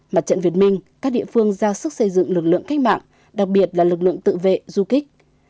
mặt trận việt minh các địa phương ra sức xây dựng lực lượng cách mạng đặc biệt là lực lượng tự vệ du kích